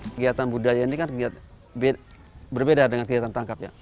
kegiatan budaya ini kan berbeda dengan kegiatan tangkapnya